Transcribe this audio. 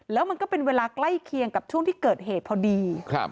แล้วมันก็เป็นเวลาใกล้เคียงกับช่วงที่เกิดเหตุพอดี